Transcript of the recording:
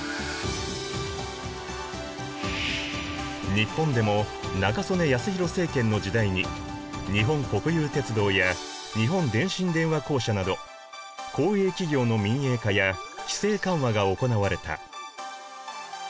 日本でも中曽根康弘政権の時代に日本国有鉄道や日本電信電話公社など公営企業の民営化や規制緩和が行われた。